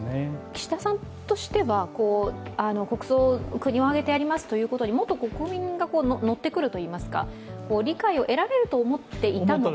岸田さんとしては国葬、国を挙げてやりますということにもっと国民がのってくるといいますか、理解を得られると思っていたのか。